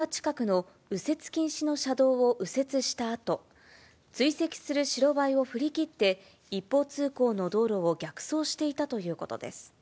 事故の直前、現場近くの右折禁止の車道を右折したあと、追跡する白バイを振り切って、一方通行の道路を逆走していたということです。